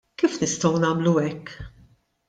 Kif nistgħu nagħmlu hekk?